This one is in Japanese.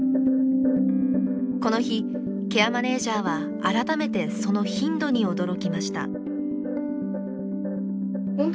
この日ケアマネージャーは改めてその頻度に驚きました。